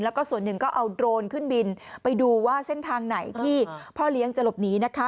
แล้วก็ส่วนหนึ่งก็เอาโดรนขึ้นบินไปดูว่าเส้นทางไหนที่พ่อเลี้ยงจะหลบหนีนะคะ